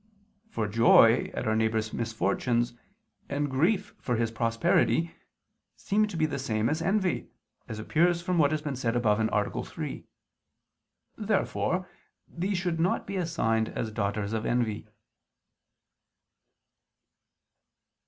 For joy at our neighbor's misfortunes and grief for his prosperity seem to be the same as envy, as appears from what has been said above (A. 3). Therefore these should not be assigned as daughters of envy.